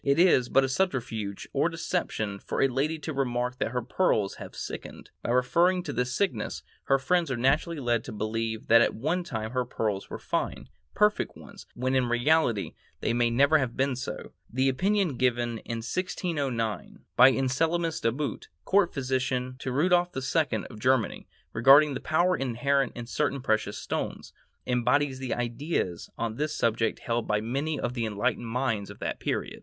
It is but a subterfuge or deception for a lady to remark that her pearls have sickened; by referring to this sickness, her friends are naturally led to believe that at one time her pearls were fine, perfect ones, when in reality they may never have been so. The opinion given in 1609, by Anselmus De Boot, court physician to Rudolph II of Germany, regarding the power inherent in certain precious stones, embodies the ideas on this subject held by many of the enlightened minds of that period.